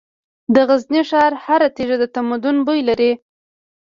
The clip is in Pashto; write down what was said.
د غزني ښار هره تیږه د تمدن بوی لري.